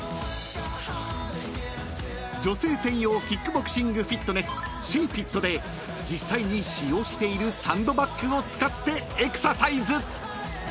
［女性専用キックボクシングフィットネスＳＨＡＰＩＴで実際に使用しているサンドバッグを使ってエクササイズ］